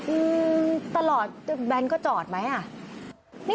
อืมตลอดแบนก็จอดไหมอ่ะ